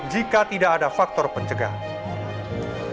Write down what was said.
jika tidak ada faktor pencegahan